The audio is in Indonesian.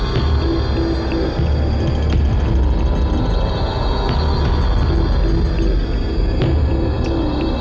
terima kasih ala prajurit ohil